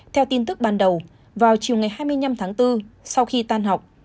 theo tin tức ban đầu vào chiều ngày hai mươi năm tháng bốn sau khi tan học